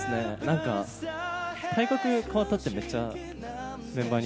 体格が変わったって、めっちゃメンバーに。